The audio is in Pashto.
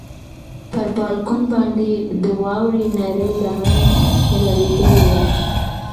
پر بالکن باندې د واورې نرۍ لمنه غوړېدلې وه.